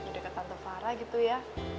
deket tante farah gitu ya